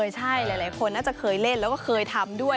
ใช่หลายคนน่าจะเคยเล่นแล้วก็เคยทำด้วย